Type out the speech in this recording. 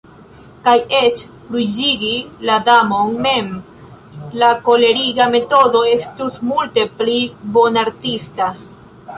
Kaj eĉ por ruĝigi la Damon mem, la koleriga metodo estus multe pli bonartista.